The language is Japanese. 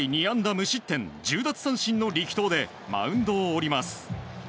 無失点１０奪三振の力投でマウンドを降ります。